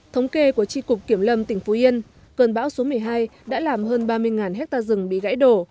thống kê của tri cục kiểm lâm tỉnh phú yên cơn bão số một mươi hai đã làm hơn ba mươi hectare rừng bị gãy đổ